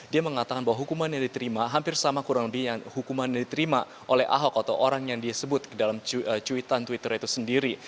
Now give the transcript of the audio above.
dia mengatakan bahwa hukuman yang diterima hampir sama kurang lebih yang hukuman yang diterima oleh ahok atau orang yang dia sebut dalam cuitan twitter itu sendiri